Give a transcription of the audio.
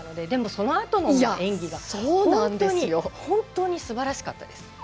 ただ、そのあとの演技が本当にすばらしかったです。